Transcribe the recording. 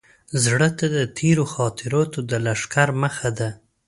زړه ته د تېرو خاطراتو د لښکر مخه ده.